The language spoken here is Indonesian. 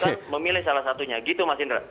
kita memilih salah satunya gitu mas indra